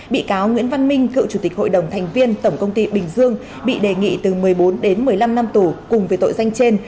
bị cáo nguyễn văn minh cựu chủ tịch hội đồng thành viên tổng công ty bình dương bị đề nghị từ một mươi bốn đến một mươi năm năm tù cùng với tội danh trên